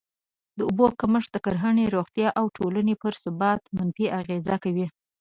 د اوبو کمښت د کرهڼې، روغتیا او ټولني پر ثبات منفي اغېز کوي.